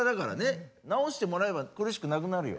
治してもらえば苦しくなくなるよ。